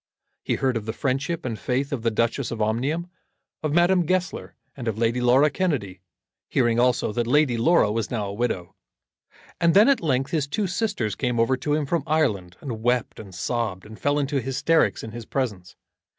He heard of the friendship and faith of the Duchess of Omnium, of Madame Goesler, and of Lady Laura Kennedy, hearing also that Lady Laura was now a widow. And then at length his two sisters came over to him from Ireland, and wept and sobbed, and fell into hysterics in his presence.